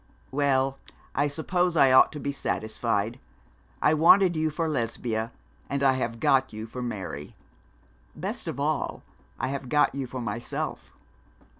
'Well, I suppose I ought to be satisfied. I wanted you for Lesbia, and I have got you for Mary. Best of all, I have got you for myself.